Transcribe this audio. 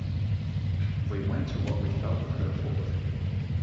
We went to what we felt we could afford.